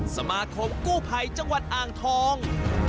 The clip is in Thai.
สมาคมกู้ภัยจังหวัดอ่างทอง